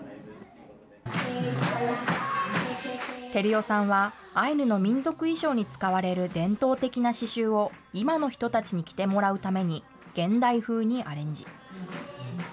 照代さんは、アイヌの民族衣装に使われる伝統的な刺しゅうを今の人たちに着てもらうために、現代風にアレンジ。